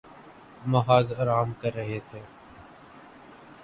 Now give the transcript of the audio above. محض آرام کررہے تھے